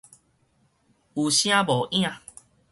有聲無影